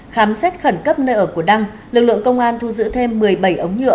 khám xét khẩn cấp nơi ở của đăng lực lượng công an thu giữ thêm một mươi bảy ống nhựa